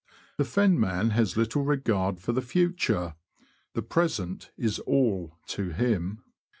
The fenman has little regard for the future — the present is all to him.